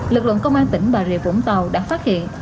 lực lượng công an tỉnh bà rịa vũng tàu đã phát hiện